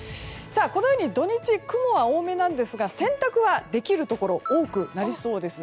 このように土日、雲は多めなんですが洗濯は、できるところ多くなりそうです。